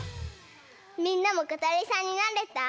みんなもことりさんになれた？